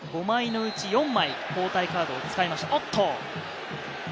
５枚のうち４枚の交代カードを使いました。